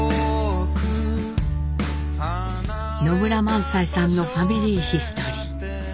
野村萬斎さんの「ファミリーヒストリー」。